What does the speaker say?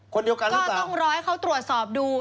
คนเดียวกันหรือเปล่าก็ต้องรอให้เขาตรวจสอบดู